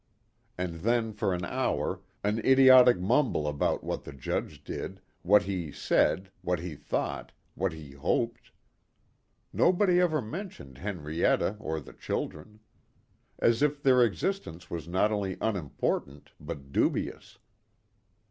And then for an hour, an idiotic mumble about what the judge did, what he said, what he thought, what he hoped. Nobody ever mentioned Henrietta or the children. As if their existence was not only unimportant but dubious.